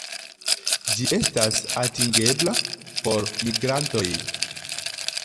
Ĝi estas atingebla por migrantoj.